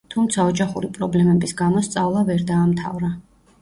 თუმცა ოჯახური პრობლემების გამო სწავლა ვერ დაამთავრა.